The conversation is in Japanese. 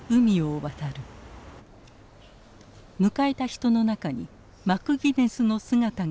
迎えた人の中にマクギネスの姿があった。